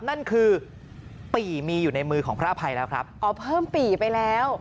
นั่นคือปี่มีอยู่ในมือของพระอภัยแล้วครับอ๋อเพิ่มปี่ไปแล้ว